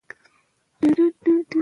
د لیکوالانو ژوند الهام بخش دی.